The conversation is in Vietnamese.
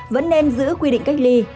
vẫn nên giữ quy định cách ly